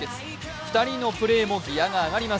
２人のプレーもギヤが上がります。